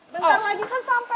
bentar lagi kan sampai